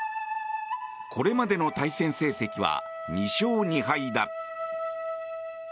これまでの対戦成績は２勝２敗だ。